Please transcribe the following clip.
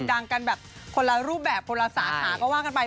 ดังกันแบบคนละรูปแบบคนละสาขาก็ว่ากันไป